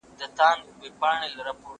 ويل واورئ دې ميدان لره راغلو